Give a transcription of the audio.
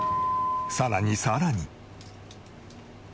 さらにさらに。